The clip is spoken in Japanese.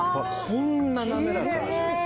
こんな滑らかなんです。